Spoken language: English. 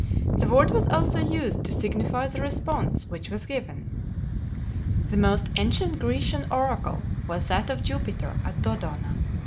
The word was also used to signify the response which was given. The most ancient Grecian oracle was that of Jupiter at Dodona.